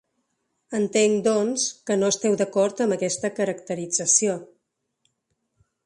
Entenc, doncs, que no esteu dacord amb aquesta caracterització.